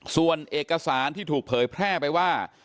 ส่วนเอกสารที่ถูกเผยแพร่ไปว่า